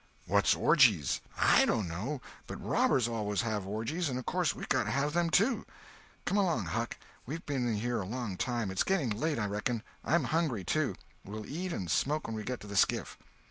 "What orgies?" "I dono. But robbers always have orgies, and of course we've got to have them, too. Come along, Huck, we've been in here a long time. It's getting late, I reckon. I'm hungry, too. We'll eat and smoke when we get to the skiff."